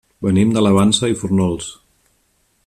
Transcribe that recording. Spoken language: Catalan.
Venim de la Vansa i Fórnols.